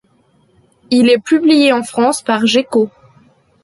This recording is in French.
Il est publié en France par Gekko.